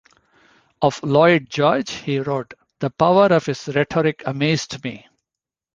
Of Lloyd George he wrote: The power of his rhetoric amazed me.